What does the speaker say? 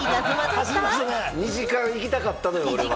２時間行きたかったのよ、俺は。